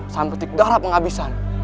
sampe tidak ada penghabisan